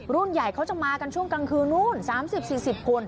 รุ่นใหญ่เขาจะมากันช่วงกลางคืนนู้น๓๐๔๐คน